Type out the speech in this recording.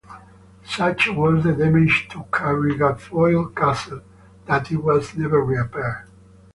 Such was the damage to Carrigafoyle Castle that it was never repaired.